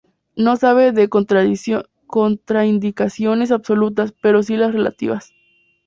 No se sabe de contraindicaciones absolutas pero si las relativas.